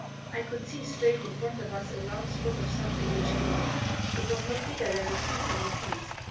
I could see, straight in front of us, a round spot of something which gleamed. It was not bigger than a threepenny piece.